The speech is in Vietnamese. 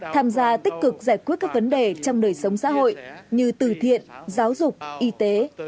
tham gia tích cực giải quyết các vấn đề trong đời sống xã hội như từ thiện giáo dục y tế